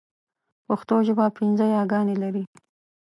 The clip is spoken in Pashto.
پښتو ژبه پنځه ی ګانې لري.